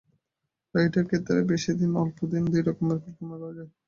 ডায়েটের ক্ষেত্রে বেশি দিন বা অল্প দিন দুই রকমেরই পরিকল্পনা করা য়ায়।